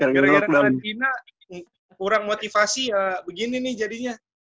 gara gara kurang motivasi ya begini nih jadinya